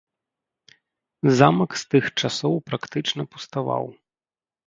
Замак з тых часоў практычна пуставаў.